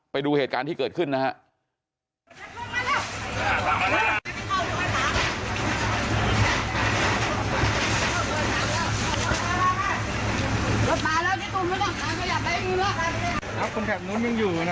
ไปดูเหตุการณ์ที่เกิดขึ้นนะฮะ